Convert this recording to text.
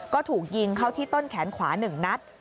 ก็ถูกยิงเข้าที่ต้นแขนขวา๑นัด